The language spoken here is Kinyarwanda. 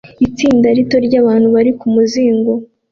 Itsinda rito ryabantu bari kumuzingo